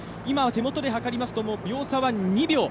今、手元ではかりますと秒差２秒。